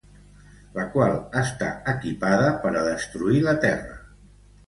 La qual està equipada per a destruir la terra.